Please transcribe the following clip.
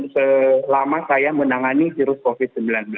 selama saya menangani virus covid sembilan belas